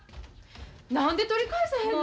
何で取り返さへんの。